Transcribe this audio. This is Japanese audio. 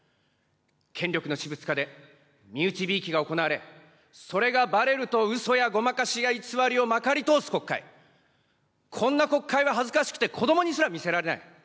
権力の私物化で、身内びいきが行われ、それがばれるとうそやごまかしや偽りをまかり通す国会、こんな国会は恥ずかしくて、子どもにすら見せられない。